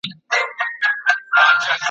څنګه دنیاده، عدالت په کار دئ